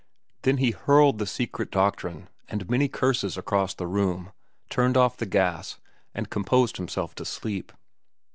Then he hurled the "Secret Doctrine" and many curses across the room, turned off the gas, and composed himself to sleep.